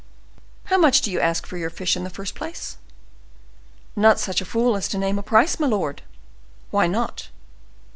"How much do you ask for your fish in the first place?" "Not such a fool as to name a price, my lord." "Why not?"